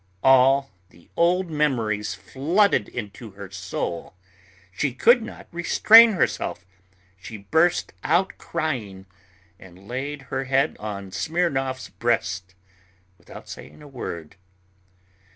All the old memories flooded into her soul, she could not restrain herself, she burst out crying, and laid her head on Smirnov's breast without saying a word.